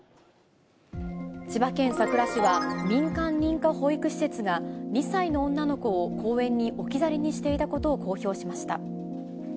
千葉県佐倉市は、民間認可保育施設が２歳の女の子を公園に置き去りにしていたことを公表しました。